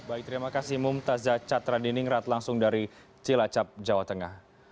baik terima kasih mumtaz zacat radiningrat langsung dari cilacap jawa tengah